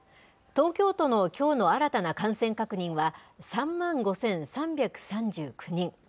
東京都のきょうの新たな感染確認は、３万５３３９人。